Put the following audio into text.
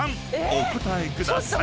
お答えください］